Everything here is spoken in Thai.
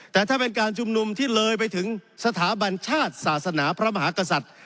แต่ถ้าเป็นการชุมนุมที่เลยไปถึงสถาบันชาติศาสนาพระมหากษัตริย์